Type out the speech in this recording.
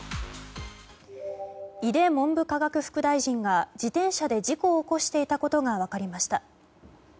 井出文部科学副大臣が自転車で事故を起こしていたことが分かりました。